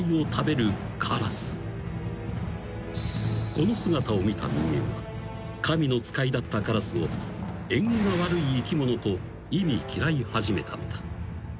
［この姿を見た人間は神の使いだったカラスを縁起が悪い生き物と忌み嫌い始めたのだ］